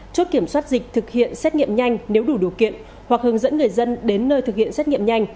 chốt kiểm soát dịch thực hiện xét nghiệm nhanh nếu đủ điều kiện hoặc hướng dẫn người dân đến nơi thực hiện xét nghiệm nhanh